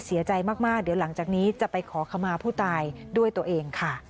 เสียใจมากเดี๋ยวหลังจากนี้จะไปขอขมาผู้ตายด้วยตัวเองค่ะ